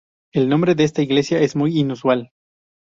El nombre de esta iglesia es muy inusual.